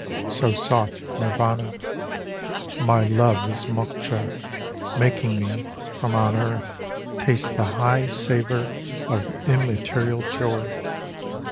So sought Nirvana j 43 MOKCHA My love is Mokcha Making me, from on earth, Taste the high savour Of immaterial joy.